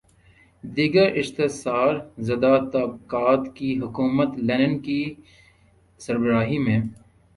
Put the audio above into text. دیگر استحصال زدہ طبقات کی حکومت لینن کی سربراہی میں